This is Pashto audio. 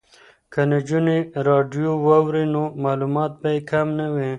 که نجونې راډیو واوري نو معلومات به یې کم نه وي.